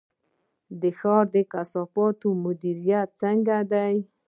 د ښاري کثافاتو مدیریت څنګه دی؟